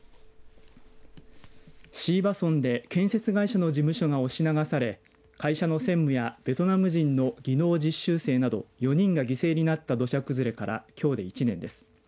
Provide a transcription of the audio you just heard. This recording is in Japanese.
椎葉村で建設会社の事務所が押し流され会社の専務やベトナム人の技能実習生など４人が犠牲になった土砂崩れからきょうで１年です。